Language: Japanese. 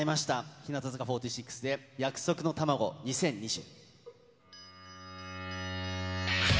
日向坂４６で、約束の卵２０２０。